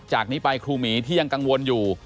จากนี้ไปครูหมีที่ยังกังวลอยู่